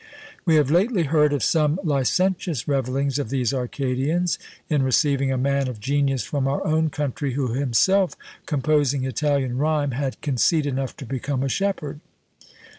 We have lately heard of some licentious revellings of these Arcadians, in receiving a man of genius from our own country, who, himself composing Italian Rime, had "conceit" enough to become a shepherd!